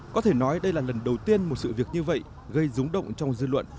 có thể nói đây là lần đầu tiên một sự việc như vậy gây rúng động trong dư luận